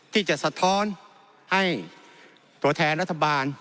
สะท้อนให้ตัวแทนรัฐบาล